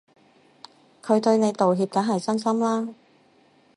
佢對你道歉梗係真心啦